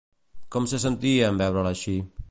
Com se sentia en veure-la així?